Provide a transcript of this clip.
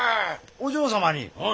お嬢様に？